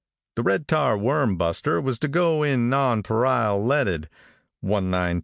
The Red Tar Worm Buster was to go in nonpareil leaded, 192I.